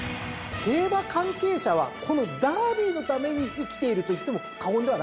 競馬関係者はこのダービーのために生きているといっても過言ではないです。